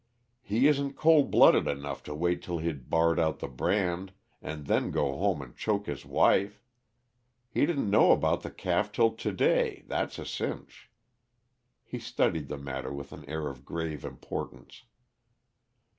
He isn't cold blooded enough to wait till he'd barred out the brand, and then go home and choke his wife. He didn't know about the calf till to day, that's a cinch." He studied the matter with an air of grave importance.